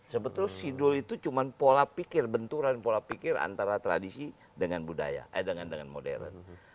sebetulnya sidul itu cuma pola pikir benturan pola pikir antara tradisi dengan modern